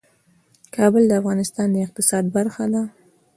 کابل د افغانستان د اقتصاد برخه ده.